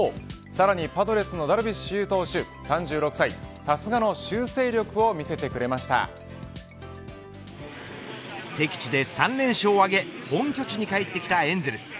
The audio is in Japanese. さらにパドレスダルビッシュ有投手、３６歳さすがの修正力を敵地で３連勝を挙げ本拠地に帰ってきたエンゼルス。